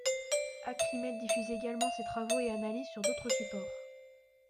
Acrimed diffuse également ses travaux et analyses sur d'autres supports.